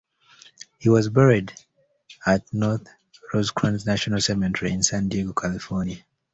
He was buried at Fort Rosecrans National Cemetery in San Diego, California.